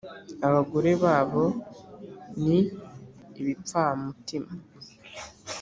abagore babo ni ibipfamutima,